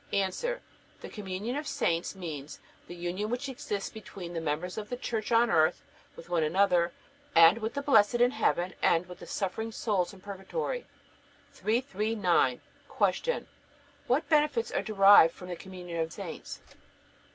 A. The communion of saints means the union which exists between the members of the Church on earth with one another, and with the blessed in heaven and with the suffering souls in purgatory. 339. Q. What benefits are derived from the communion of saints?